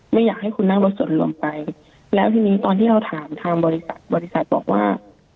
ไม่อยากให้คุณนั่งรถส่วนรวมไปแล้วทีนี้ตอนที่เราถามทางบริษัทบริษัทบอกว่า